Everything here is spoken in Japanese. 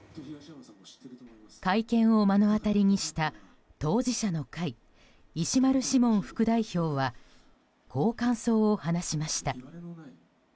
会見を目の当たりにした当事者の会石丸志門副代表はこう感想を話しました。